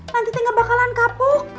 nanti teh gak bakalan kapuk